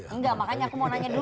enggak makanya aku mau nanya dulu